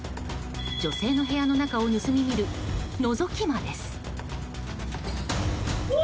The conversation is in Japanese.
女性の部屋の中を盗み見るのぞき魔です。